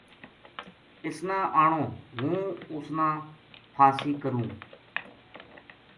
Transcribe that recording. اس ناآنوں ہوں اُس نا پھانسی کروں